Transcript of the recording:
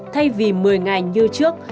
thay vì một mươi ngày như trước